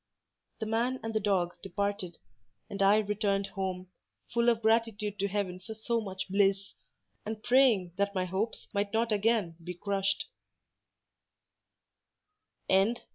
The man and the dog departed, and I returned home, full of gratitude to heaven for so much bliss, and praying that my hopes might not again be crushed.